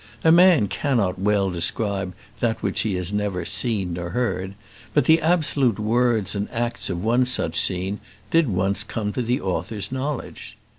A man cannot well describe that which he has never seen nor heard; but the absolute words and acts of one such scene did once come to the author's knowledge.